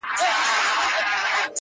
پر حجره یې لکه مار وګرځېدمه،